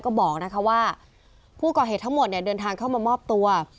ก็บอกนะคะว่าผู้ก่อเหตุทั้งหมดเนี่ยเดินทางเข้ามามอบตัว